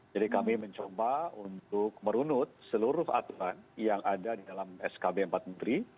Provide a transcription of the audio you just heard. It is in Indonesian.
jadi kami mencoba untuk merunut seluruh aturan yang ada di dalam skb empat menteri